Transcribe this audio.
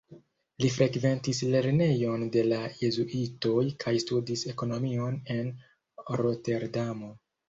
Li frekventis lernejon de la jezuitoj kaj studis ekonomion en Roterdamo.